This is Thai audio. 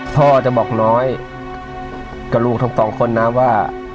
พ่อจะบอกน้อยกับลูกทั้งสองคนนะว่า